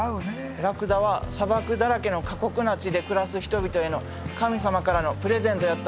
ラクダは砂漠だらけの過酷な地で暮らす人々への神様からのプレゼントやったのかもしれへんな。